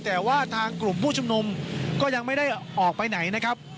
แต่ว่าทางกลุ่มผู้ชุมนุมก็ยังไม่ได้ออกไปไหนนะครับ